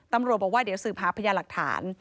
ตำรวจบอกว่าเดี๋ยวสืบหาพยาหลักฐาน